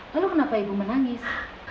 lalu kenapa ibu menangis